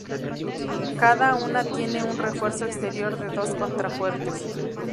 Cada una tiene un refuerzo exterior de dos contrafuertes.